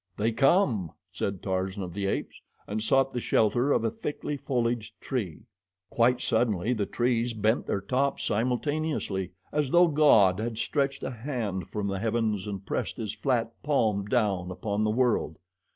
"They come!" said Tarzan of the Apes, and sought the shelter of a thickly foliaged tree. Quite suddenly the trees bent their tops simultaneously as though God had stretched a hand from the heavens and pressed His flat palm down upon the world.